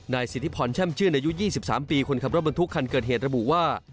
สิทธิพรแช่มชื่นอายุ๒๓ปีคนขับรถบรรทุกคันเกิดเหตุระบุว่า